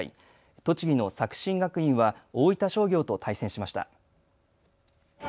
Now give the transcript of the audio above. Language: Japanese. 栃木の作新学院は大分商業と対戦しました。